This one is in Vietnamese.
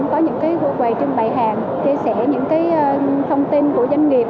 có những cái quầy trưng bày hàng kia sẻ những cái thông tin của doanh nghiệp